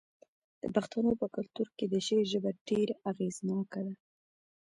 د پښتنو په کلتور کې د شعر ژبه ډیره اغیزناکه ده.